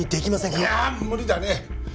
いや無理だね！